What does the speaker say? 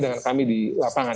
dengan kami di lapangan